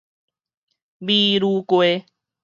美女瓜